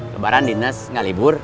lebaran di nes gak libur